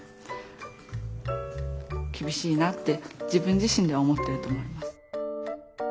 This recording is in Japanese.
厳しいなって自分自身では思ってると思います。